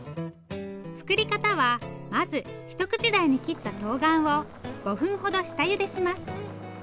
作り方はまず一口大に切ったとうがんを５分ほど下ゆでします。